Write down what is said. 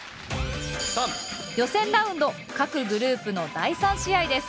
予選ラウンド各グループの第３試合です。